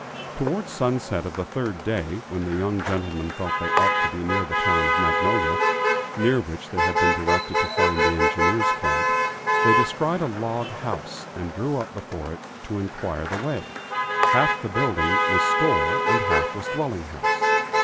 Towards sunset of the third day, when the young gentlemen thought they ought to be near the town of Magnolia, near which they had been directed to find the engineers' camp, they descried a log house and drew up before it to enquire the way. Half the building was store, and half was dwelling house.